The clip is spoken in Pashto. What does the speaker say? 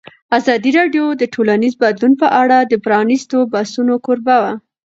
ازادي راډیو د ټولنیز بدلون په اړه د پرانیستو بحثونو کوربه وه.